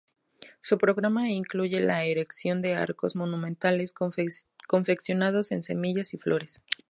Su programa incluye la erección de arcos monumentales confeccionados en semillas y flores.